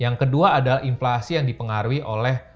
yang kedua adalah inflasi yang dipengaruhi oleh